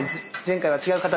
前回は。